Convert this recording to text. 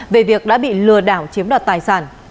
về việc đã bị lừa đảo chiếm đoạt tài sản